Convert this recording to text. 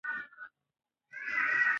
دا مډال د ټول ملت لپاره یو لوی ویاړ دی.